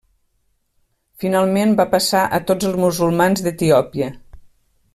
Finalment va passar a tots els musulmans d'Etiòpia.